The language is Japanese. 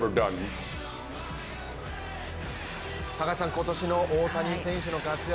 今年の大谷選手の活躍